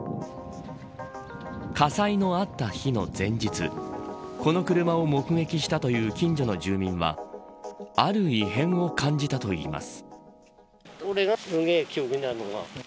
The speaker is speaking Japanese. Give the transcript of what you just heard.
火災のあった日の前日この車を目撃したという近所の住民はある異変を感じたといいます。